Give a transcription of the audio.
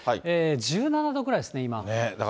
１７度ぐらいですね、今。